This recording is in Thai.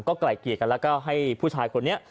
ไกลเกลียดกันแล้วก็ให้ผู้ชายคนนี้